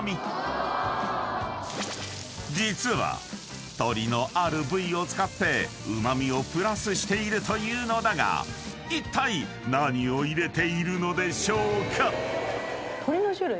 ［実は鶏のある部位を使ってうま味をプラスしているというのだがいったい何を入れているのでしょうか？］